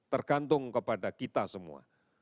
tergantung kepada kita semua